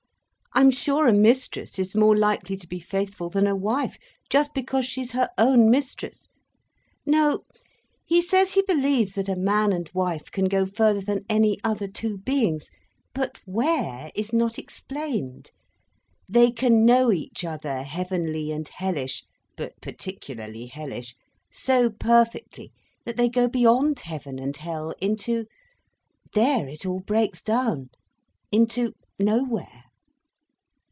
"I'm sure a mistress is more likely to be faithful than a wife—just because she is her own mistress. No—he says he believes that a man and wife can go further than any other two beings—but where, is not explained. They can know each other, heavenly and hellish, but particularly hellish, so perfectly that they go beyond heaven and hell—into—there it all breaks down—into nowhere."